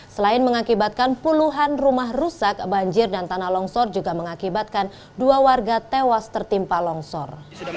selain mengakibatkan puluhan rumah rusak banjir dan tanah longsor juga mengakibatkan dua warga tewas tertimpa longsor